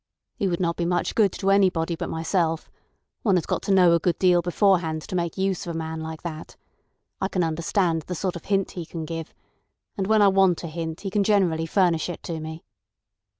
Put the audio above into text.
"He would not be much good to anybody but myself. One has got to know a good deal beforehand to make use of a man like that. I can understand the sort of hint he can give. And when I want a hint he can generally furnish it to me."